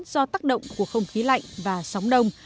do tác động của không khí lạnh và sóng đông